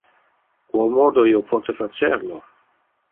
Quomodo io pote facer lo?